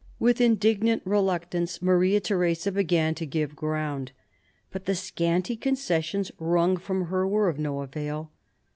With indignant reluctance Maria Theresa began to give ground. But the scanty concessions wrung from her were of no avail.